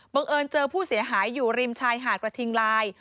เอิญเจอผู้เสียหายอยู่ริมชายหาดกระทิงลาย